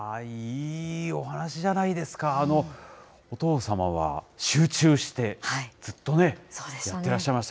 いやぁ、いいお話じゃないですか、お父様は集中して、ずっと塗ってらっしゃいました。